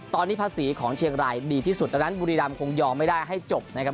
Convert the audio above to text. ตอนนี้ภาษีของเชียงรายดีที่สุดดังนั้นบุรีรำคงยอมไม่ได้ให้จบนะครับ